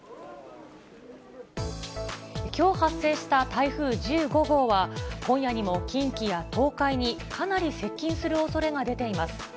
きょう発生した台風１５号は、今夜にも近畿や東海にかなり接近するおそれが出ています。